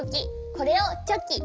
これをチョキ。